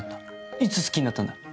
いつ好きになったんだ？